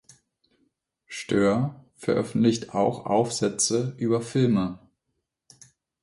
Stöhr veröffentlicht auch Aufsätze über Filme.